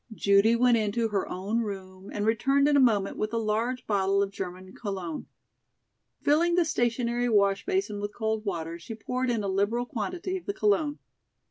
Judy went into her own room and returned in a moment with a large bottle of German cologne. Filling the stationary wash basin with cold water she poured in a liberal quantity of the cologne.